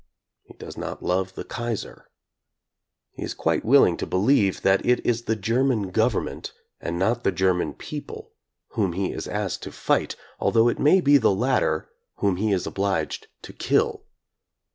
He does not love the Kaiser. He is quite willing to believe that it is the German government and not the German people whom he is asked to fight, although it may be the latter whom he is obliged to kill.